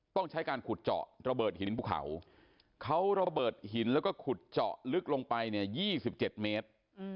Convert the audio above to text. ต้องใช้การขุดเจาะระเบิดหินภูเขาเขาระเบิดหินแล้วก็ขุดเจาะลึกลงไปเนี่ย๒๗เมตร